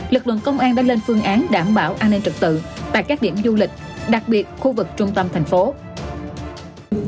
lực lượng công an đã lên phương án đảm bảo an ninh trật tự tại các điểm du lịch đặc biệt khu vực trung tâm thành phố